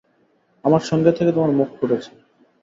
আমার সঙ্গে থেকে তোমার মুখ ফুটেছে।